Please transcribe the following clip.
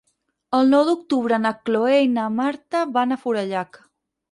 El nou d'octubre na Cloè i na Marta van a Forallac.